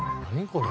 これ。